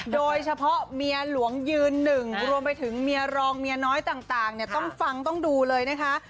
โดยเฉพาะเมียหลวงยืนหนึ่งรวมไปถึงเมียรองเมียน้อยต่างเนี่ยต้องฟังต้องดูเลยนะคะ